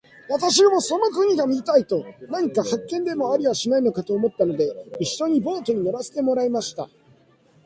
私もその国が見たいのと、何か発見でもありはしないかと思ったので、一しょにそのボートに乗せてもらいました。